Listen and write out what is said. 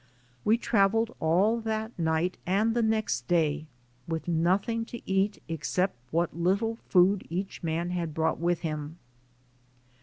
We traveled all that night and the next day, with nothing to eat except what little food each man had brought with him.